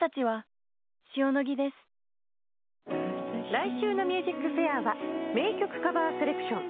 来週の『ＭＵＳＩＣＦＡＩＲ』は名曲カバーセレクション。